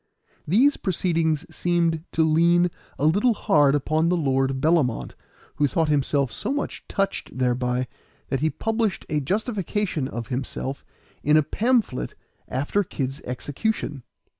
These proceedings seemed to lean a little hard upon the Lord Bellamont, who thought himself so much touched thereby that he published a justification of himself in a pamphlet after Kid's execution.